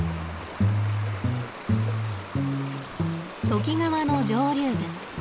都幾川の上流部。